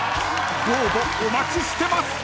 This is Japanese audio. ［ご応募お待ちしてます！］